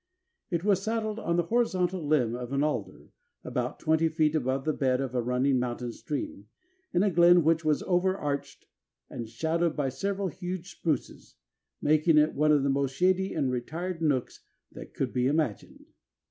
It was saddled on the horizontal limb of an alder, about twenty feet above the bed of a running mountain stream, in a glen which was overarched and shadowed by several huge spruces, making it one of the most shady and retired nooks that could be imagined."